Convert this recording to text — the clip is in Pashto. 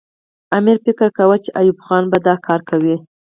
امیر فکر کاوه چې ایوب خان به دا کار کوي.